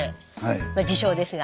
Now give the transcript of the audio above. まあ自称ですが。